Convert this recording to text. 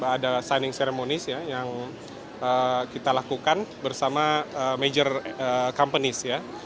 ada signing ceremony yang kita lakukan bersama major companies